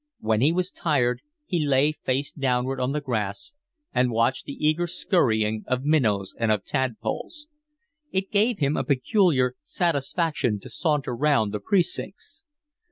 When he was tired he lay face downward on the grass and watched the eager scurrying of minnows and of tadpoles. It gave him a peculiar satisfaction to saunter round the precincts.